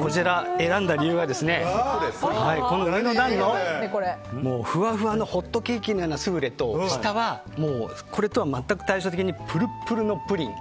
こちらを選んだ理由は上が、もうふわふわのホットケーキのようなスフレと下はこれとは全く対照的にプルプルのプリン。